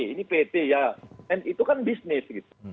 ini pt ya dan itu kan bisnis gitu